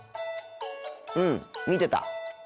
うん見てた。